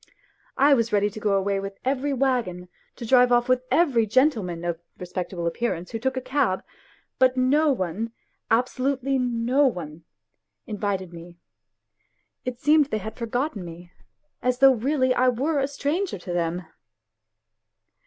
I was ready to go away with every waggon, to drive off with every gentleman of respectable appearance who took a cab; but no one abso lutely no one invited me ; it seemed they had forgotten me, as though really I were a stranger to them